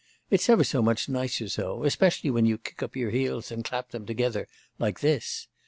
'It's ever so much nicer so; especially when you kick up your heels and clap them together like this.